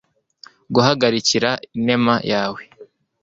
guhagarikira inema yawe